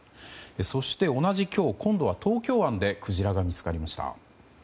そして同じ今日今度は東京湾でクジラが見つかりました。